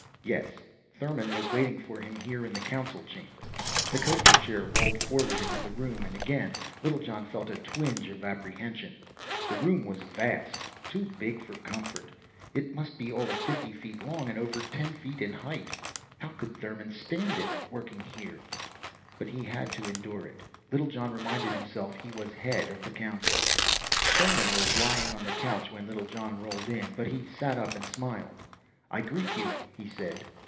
Yes, Thurmon was waiting for him here in the council chamber. The coasterchair rolled forward into the room and again Littlejohn felt a twinge of apprehension. The room was vast too big for comfort. It must be all of fifty feet long, and over ten feet in height. How could Thurmon stand it, working here? But he had to endure it, Littlejohn reminded himself. He was head of the council. Thurmon was lying on the couch when Littlejohn rolled in, but he sat up and smiled. "I greet you," he said.